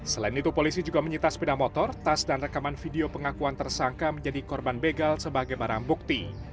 selain itu polisi juga menyita sepeda motor tas dan rekaman video pengakuan tersangka menjadi korban begal sebagai barang bukti